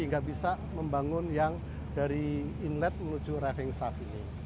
tidak bisa membangun yang dari inlet menuju rafting shaft ini